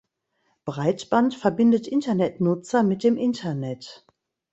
Breitband verbindet Internetnutzer mit dem Internet.